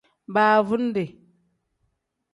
Baavundi.